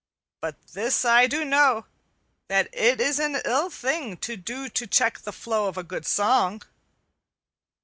"But this I do know, that it is an ill thing to do to check the flow of a good song."